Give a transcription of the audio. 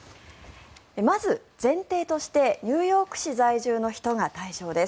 まず前提としてニューヨーク市在住の人が対象です。